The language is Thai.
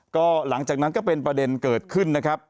ก็หลังจากนั้นก็เป็นประเด็นเกิดขึ้นนะครับ